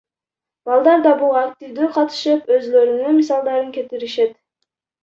Балдар да буга активдүү катышып, өзүлөрүнүн мисалдарын кетиришет.